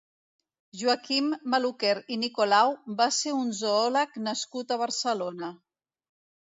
Joaquim Maluquer i Nicolau va ser un zoòleg nascut a Barcelona.